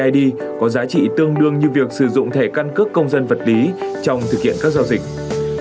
id có giá trị tương đương như việc sử dụng thẻ căn cước công dân vật lý trong thực hiện các giao dịch